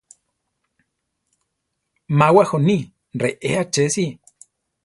Má wajoní ¡reé achesi!